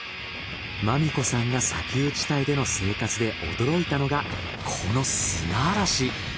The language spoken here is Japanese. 麻美子さんが砂丘地帯での生活で驚いたのがこの砂嵐。